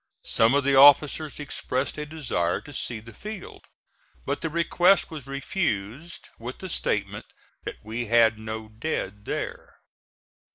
Some of the officers expressed a desire to see the field; but the request was refused with the statement that we had no dead there.